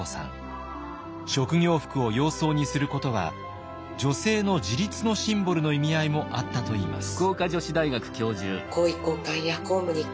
職業服を洋装にすることは女性の自立のシンボルの意味合いもあったといいます。